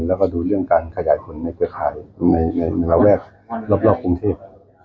แล้วก็ดูเรื่องการขยายผลในเครือข่ายในระแวกรอบกรุงเทพ